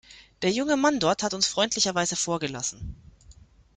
Der junge Mann dort hat uns freundlicherweise vorgelassen.